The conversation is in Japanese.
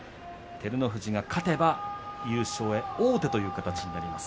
照ノ富士が勝てば優勝へ王手という形になります。